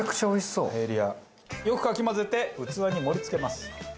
よくかき混ぜて器に盛り付けます。